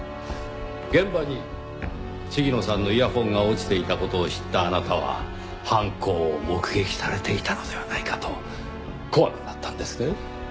現場に鴫野さんのイヤフォンが落ちていた事を知ったあなたは犯行を目撃されていたのではないかと怖くなったんですね。